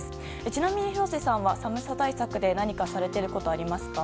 ちなみに廣瀬さんは、寒さ対策で何かされてることはありますか？